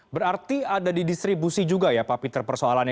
berarti ada di distribusi juga ya pak peter persoalannya